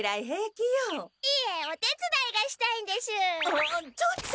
あっちょっと？